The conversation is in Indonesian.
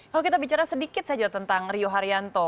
kalau kita bicara sedikit saja tentang rio haryanto